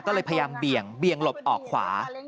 ก็เลยพยายามเบี่ยงหลบออกขวา